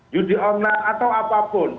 judi orna atau apapun